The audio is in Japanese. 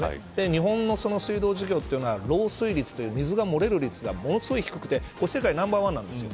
日本の水道事業は漏水率という水の漏れる率がものすごく低くて世界ナンバー１なんです。